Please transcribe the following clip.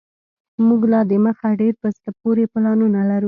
موږ لا دمخه ډیر په زړه پوري پلانونه لرو